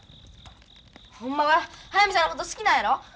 ほんまは速水さんのこと好きなんやろ？